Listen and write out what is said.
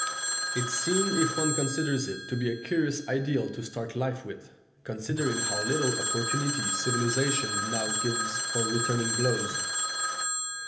It seems, if one considers it, to be a curious ideal to start life with, considering how little opportunity civilisation now gives for returning blows!